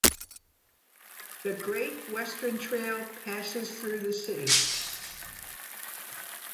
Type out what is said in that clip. The Great Western Trail passes through the city.